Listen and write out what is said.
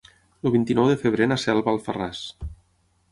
El vint-i-nou de febrer na Cel va a Alfarràs.